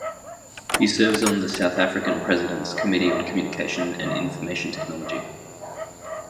He serves on the South African President's Committee on Communication and Information Technology.